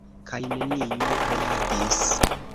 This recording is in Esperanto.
Kaj neniu reagis.